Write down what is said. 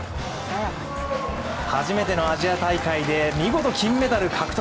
初めてのアジア大会で見事金メダル獲得。